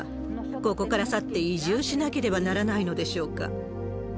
ここから去って移住しなければならないのでしょうか。